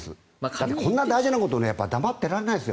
だってこんな大事なことを黙ってられないですよ。